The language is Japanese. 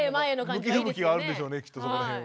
向き不向きがあるんでしょうねきっと。